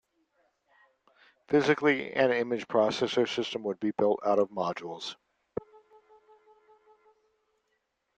Physically, an Image Processor system would be built out of modules.